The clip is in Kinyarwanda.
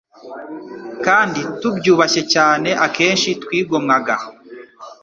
kandi tubyubashye cyane. Akenshi twigomwaga